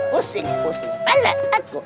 pusing pusing pandai aku